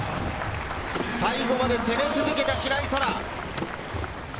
最後まで攻め続けた白井空良。